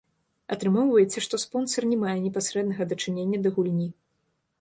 Атрымоўваецца, што спонсар не мае непасрэднага дачынення да гульні.